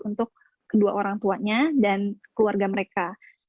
untuk kedua orang tuanya dan keluarga mereka